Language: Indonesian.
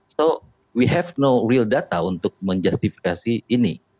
so we have no real data untuk menjustifikasi ini